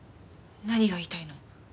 何が言いたいの？